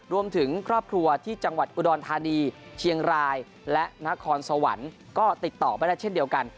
รวมถึงครอบครัวที่จังหวัดอุดรธานีเชียงรายและนครสวรรค์ก็ติดต่อไม่ได้เช่นเดียวกัน